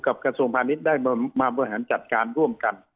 กระทรวงพาณิชย์ได้มาบริหารจัดการร่วมกัน